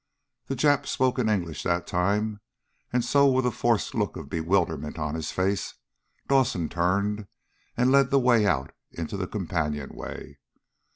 The Jap spoke in English that time, and so, with a forced look of bewilderment on his face, Dawson turned and led the way out into the companionway.